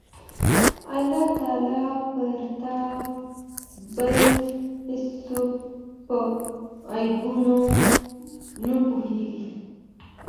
د الله تعالی پرته بل هيڅوک په غيبو نه پوهيږي